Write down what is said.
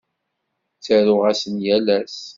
Ttaruɣ-asen yal ass.